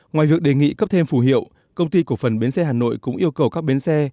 ngoài việc đề nghị cấp thêm phù hiệu công ty cổ phần bến xe hà nội cũng yêu cầu các bến xe